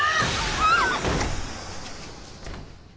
あっ。